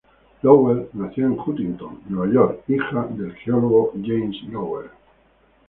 Lowell nació en Huntington, Nueva York, hija del geólogo James Lowell.